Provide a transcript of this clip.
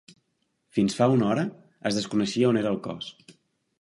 Fins fa una hora es desconeixia on era el cos.